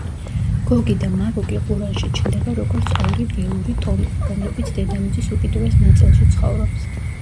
გოგი და მაგოგი ყურანში ჩნდება როგორც ორი ველური ტომი, რომლებიც „დედამიწის უკიდურეს ნაწილში“ ცხოვრობს.